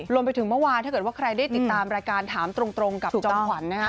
รวมไปถึงเมื่อวานถ้าเกิดว่าใครได้ติดตามรายการถามตรงกับจอมขวัญนะฮะ